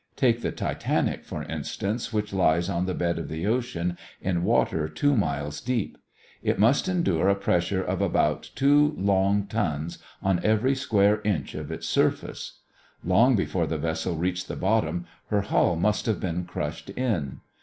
Take the Titanic, for instance, which lies on the bed of the ocean in water two miles deep. It must endure a pressure of about two long tons on every square inch of its surface. Long before the vessel reached the bottom her hull must have been crushed in.